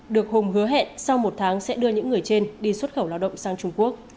được hùng hứa hẹn sau một tháng sẽ đưa những người trên đi xuất khẩu lao động sang trung quốc